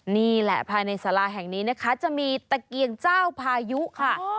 นี่แหละภายในสาราแห่งนี้นะคะจะมีตะเกียงเจ้าพายุค่ะ